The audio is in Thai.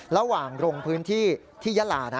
ระหว่างลงพื้นที่ที่ยาลานะ